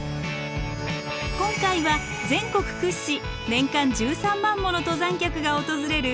今回は全国屈指年間１３万もの登山客が訪れる